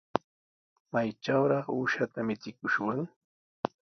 ¿Maytrawraq uushata michikushwan?